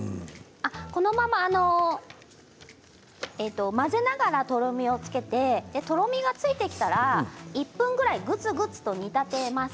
このまま混ぜながら、とろみをつけてとろみがついてきたら１分ぐらい、ぐつぐつ煮立てます。